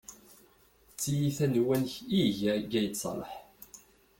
D tiyita n uwanek i iga Gayed Ṣaleḥ.